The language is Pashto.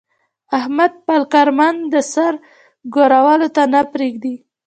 احمد خپل کارمندان د سر ګرولو ته نه پرېږي.